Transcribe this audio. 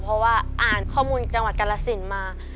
เพราะว่าอ่านข้อมูลจังหวัดกาลสินมา